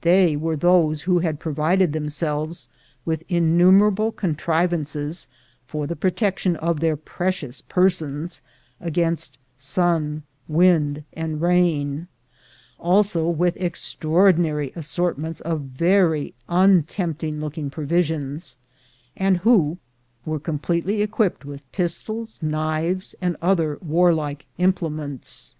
They were those who had provided them selves with innumerable contrivances for the protec tion of their precious persons against sun, wind, and ON TO CALIFORNIA 23 rain, also with extraordinary assortments of very un tempting looking provisions, and vi^ho were completely equipped with pistols, knives, and other warlike implements.